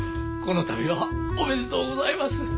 この度はおめでとうございます。